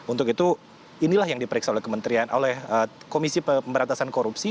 untuk itu inilah yang diperiksa oleh komisi pemberantasan korupsi